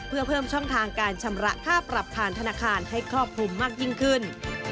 เพื่อเพิ่มช่องทางการชำระค่าปรับผ่านธนาคารให้ครอบคลุมมากยิ่งขึ้น